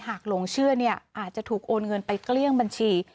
หลงเชื่อเนี่ยอาจจะถูกโอนเงินไปเกลี้ยงบัญชี